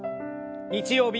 日曜日